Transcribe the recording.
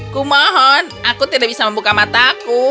kumohon aku tidak bisa membuka mataku